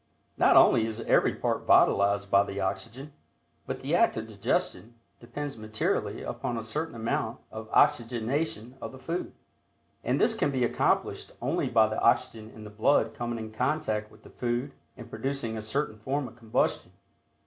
Not only is every part vitalized by the oxygen, but the act of digestion depends materially upon a certain amount of oxygenation of the food, and this can be accomplished only by the oxygen in the blood coming in contact with the food and producing a certain form of combustion.